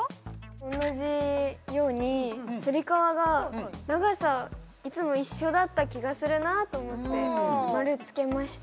同じようにつり革が長さ、いつも一緒だった気がするなと思って丸つけました。